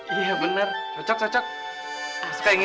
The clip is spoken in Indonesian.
iya bener cocok cocok aku suka yang ini